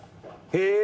へえ！